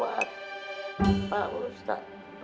wah buat dia apa buat pak gaji